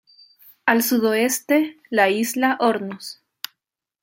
Al sudoeste, la isla Hornos.